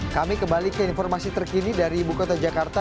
kami kembali ke informasi terkini dari ibu kota jakarta